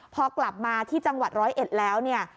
พอกลับมาที่จังหวัดร้อยเอ็ดแล้วเนี่ย